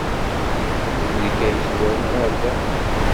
D nekk ay d-yezwaren ɣer da.